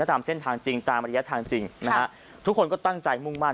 ตามเส้นทางจริงตามระยะทางจริงนะฮะทุกคนก็ตั้งใจมุ่งมั่น